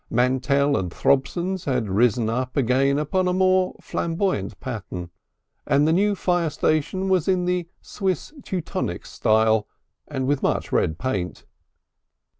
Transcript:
Mantell and Throbson's had risen again upon a more flamboyant pattern, and the new fire station was in the Swiss Teutonic style and with much red paint.